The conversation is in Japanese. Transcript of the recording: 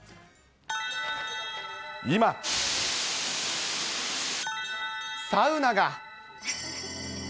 今、サウナが！